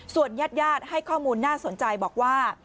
ญาติญาติให้ข้อมูลน่าสนใจบอกว่า